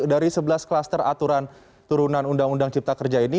dari sebelas klaster aturan turunan undang undang cipta kerja ini